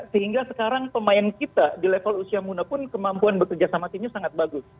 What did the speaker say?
sehingga sekarang pemain kita di level usia muda pun kemampuan bekerja sama timnya sangat bagus